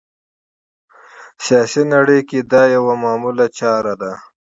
سیاسي نړۍ کې دا یوه معموله چاره ده